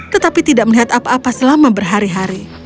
tetapi tidak melihat apa apa selama berhari hari